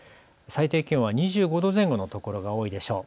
最低気温は２５度前後の所が多いでしょう。